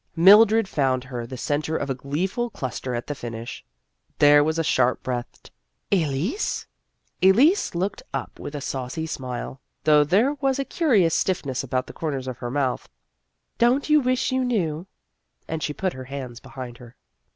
Mildred found her the centre of a glee ful cluster at the finish. There was a sharp breathed " Elise ?" Elise looked up with a saucy smile, though there was a curious stiffness about the corners of her mouth. " Don't you wish you knew ?" and she put her hands behind her.